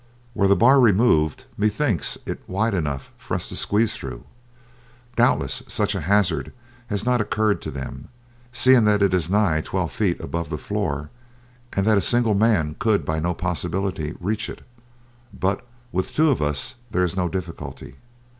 Were that bar removed, methinks it is wide enough for us to squeeze through. Doubtless such a hazard has not occurred to them, seeing that it is nigh twelve feet above the floor, and that a single man could by no possibility reach it, but with two of us there is no difficulty.